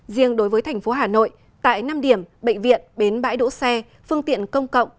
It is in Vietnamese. riêng đối với thành phố hà nội tại năm điểm bệnh viện bến bãi đỗ xe phương tiện công cộng